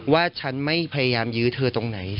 ว่าฉันไม่พยายามยื้อเธอตรงไหน